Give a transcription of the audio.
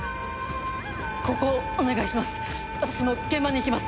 ここをお願いします